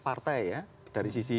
partai ya dari sisi